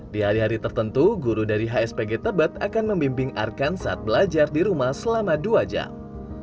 di hari hari tertentu guru dari hspg tebet akan membimbing arkan saat belajar di rumah selama dua jam